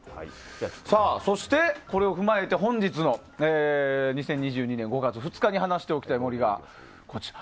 そして、これを踏まえて本日の２０２２年５月２日に話しておきたい森がこちら。